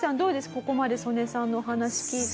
ここまでソネさんの話聞いて。